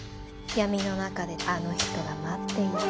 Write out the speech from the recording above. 闇の中であの人が待っている。